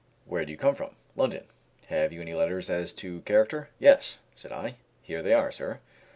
"Where do you come from?" "London." "Have you any letters as to character!" "Yes," said I; "here they are, sir.